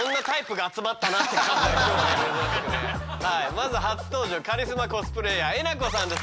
まず初登場カリスマコスプレイヤーえなこさんです。